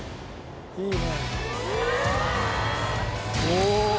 いいね。